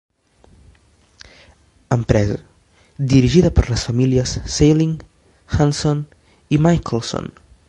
Empresa, dirigida per les famílies Sailing, Hanson i Michelson.